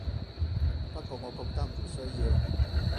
不過我覺得唔需要